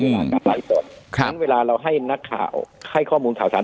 กับหลายคนฉะนั้นเวลาเราให้นักข่าวให้ข้อมูลข่าวสาร